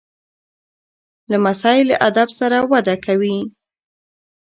لمسی له ادب سره وده کوي.